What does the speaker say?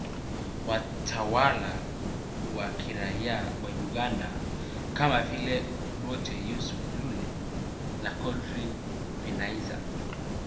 Watawala wa kiraia wa Uganda kama vile Obote Yusuf Lule na Godfrey Binaisa